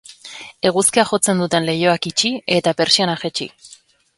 Eguzkia jotzen duten leihoak itxi eta pertsianak jaitsi.